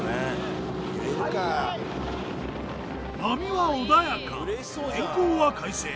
波は穏やか天候は快晴。